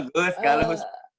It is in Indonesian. bagus kalau bisa